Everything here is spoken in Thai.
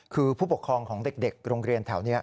คือผู้ปกครองของเด็กโรงเรียนแถวนี้